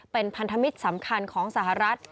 เป็นพันธมิตรสำคัญของสหรัฐ